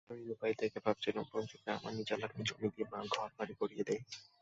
আমি নিরুপায় দেখে ভাবছিলুম পঞ্চুকে আমার নিজ এলাকাতেই জমি দিয়ে ঘর-বাড়ি করিয়ে দিই।